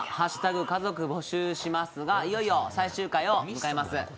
家族募集します」がいよいよ最終回を迎えます。